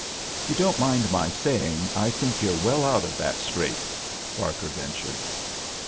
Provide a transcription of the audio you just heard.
"Yoo don't mind my saying I think you're well out of that scrape?" Barker ventured.